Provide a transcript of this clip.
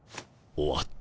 終わった！